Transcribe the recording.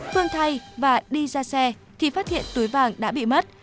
phương thay và đi ra xe thì phát hiện túi vàng đã bị mất